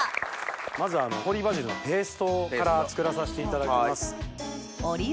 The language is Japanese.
まずホーリーバジルのペーストから作らさせていただきます。